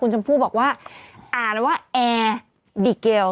ชมพู่บอกว่าอ่านว่าแอร์บิเกล